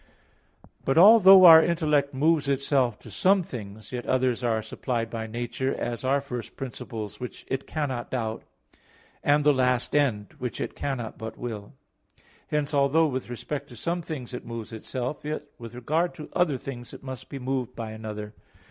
But although our intellect moves itself to some things, yet others are supplied by nature, as are first principles, which it cannot doubt; and the last end, which it cannot but will. Hence, although with respect to some things it moves itself, yet with regard to other things it must be moved by another.